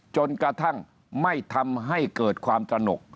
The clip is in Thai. จนกระทั่งไม่ทำให้เกิดความตระหนก